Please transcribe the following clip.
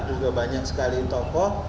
juga banyak sekali tokoh